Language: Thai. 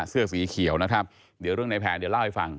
เสื้อสีเขียวนะครับเดี๋ยวเรื่องในแผนเดี๋ยวเล่าให้ฟัง